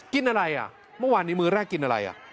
กินอะไรอ่ะเมื่อวานนี้มื้อแรกกินอะไรอ่ะ